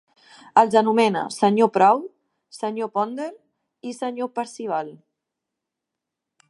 Els anomena Sr. Proud, Sr. Ponder i Sr. Percival.